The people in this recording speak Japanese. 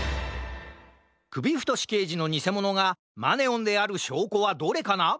くびふとしけいじのにせものがマネオンであるしょうこはどれかな？